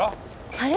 あれ？